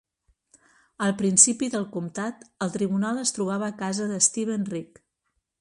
Al principi del comtat, el tribunal es trobava a casa de Steven Rich.